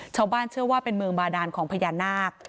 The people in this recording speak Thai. ชาวบ้านเชื่อว่าเป็นเมืองบาดานของพญานาค